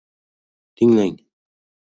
Tinglang!